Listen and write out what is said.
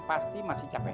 pasti masih capek